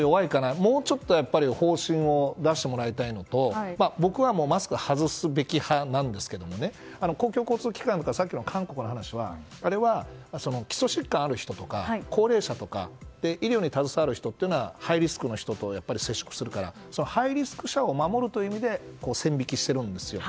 もうちょっとの方針を出してもらいたいのと僕はマスク外すべき派なんですが公共交通機関とかさっきの韓国の話は基礎疾患がある人とか高齢者とか医療に携わる人というのはハイリスクの人と接触するからそのハイリスク者を守る意味で線引きしているんですよ。